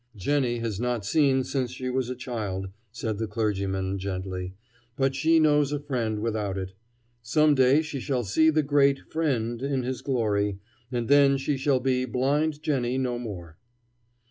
"Jennie has not seen since she was a child," said the clergyman, gently; "but she knows a friend without it. Some day she shall see the great Friend in his glory, and then she shall be Blind Jennie no more."